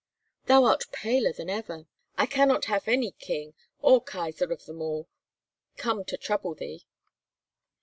Thou art paler than ever! I cannot have any king or kaisar of them all come to trouble thee."